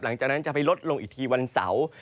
หลังจากนั้นจะไปลดลงอีกทีวันเสาร์